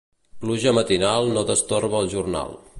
Pluja matinal no destorba el jornal.